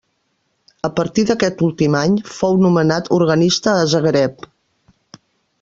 A partir d'aquest últim any fou nomenat organista a Zagreb.